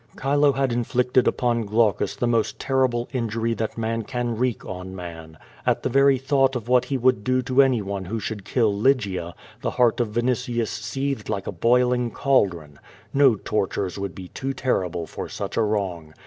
Chilo had inflicted upon Glaucus the most terrible injury that man can wreak on man. At the very thought of what he would do to anyone who should kill Lygia, the heart of Vini tius seethed like a boiling cauldron. No tortureswould betoo terrible for such a wrong.